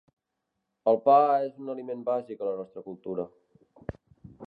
El pa és un aliment bàsic a la nostra cultura.